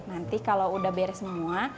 nanti kalau udah beres semua